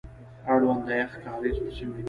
اړوند د يخ کاريز په سيمه کي،